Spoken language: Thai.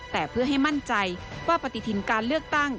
แต่เพื่อให้มั่นใจว่าปฏิทินการเลือกตั้ง